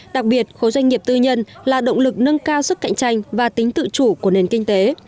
đặc biệt khối doanh nghiệp tư nhân là động lực nâng cao sức cạnh tranh và tính tự chủ của nền kinh tế